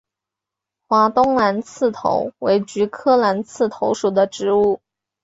华东蓝刺头为菊科蓝刺头属的植物。